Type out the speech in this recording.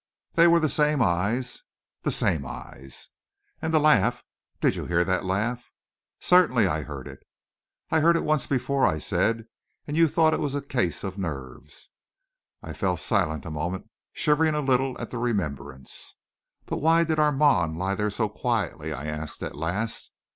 "They were the same eyes...." "The same eyes." "And the laugh did you hear that laugh?" "Certainly I heard it." "I heard it once before," I said, "and you thought it was a case of nerves!" I fell silent a moment, shivering a little at the remembrance. "But why did Armand lie there so quietly?" I asked, at last.